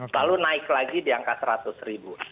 lalu naik lagi di angka seratus ribu